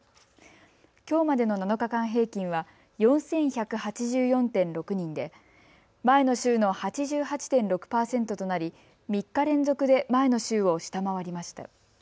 きょうまでの７日間平均は４１８４．６人で前の週の８８．６％となり３日連続で前の週を下回りました。